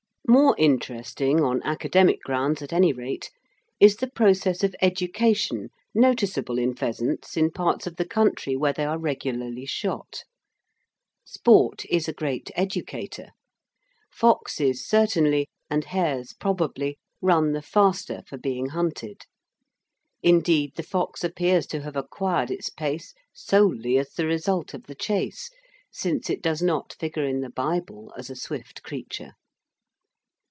More interesting, on academic grounds at any rate, is the process of education noticeable in pheasants in parts of the country where they are regularly shot. Sport is a great educator. Foxes certainly, and hares probably, run the faster for being hunted. Indeed the fox appears to have acquired its pace solely as the result of the chase, since it does not figure in the Bible as a swift creature.